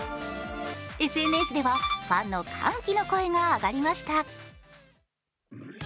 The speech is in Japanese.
ＳＮＳではファンの歓喜の声が上がりました。